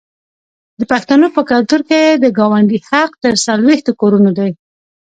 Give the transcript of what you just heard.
د پښتنو په کلتور کې د ګاونډي حق تر څلوېښتو کورونو دی.